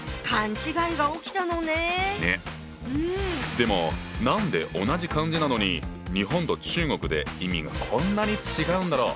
でも何で同じ漢字なのに日本と中国で意味がこんなに違うんだろう？